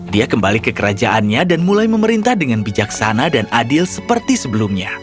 dia kembali ke kerajaannya dan mulai memerintah dengan bijaksana dan adil seperti sebelumnya